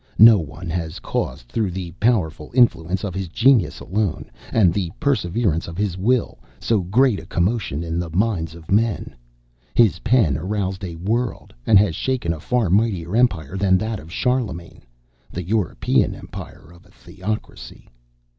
No one has caused, through the powerful influence of his genius alone, and the perseverance of his will, so great a commotion in the minds of men; his pen aroused a world, and has shaken a far mightier empire than that of Charlemagne, the European empire of a theocracy.